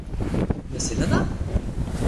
Mais c'est Nana!